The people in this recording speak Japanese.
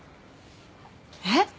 えっ？